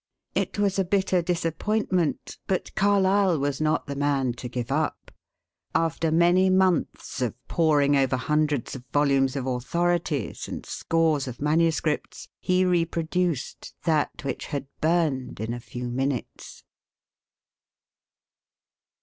It was a bitter disappointment, but Carlyle was not the man to give up. After many months of poring Over hundreds of volumes of authorities and scores of manuscripts, he reproduced that which had burned in a few minutes.